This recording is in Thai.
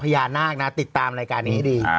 อย่าหน้ากนะติดตามรายการนี้ดี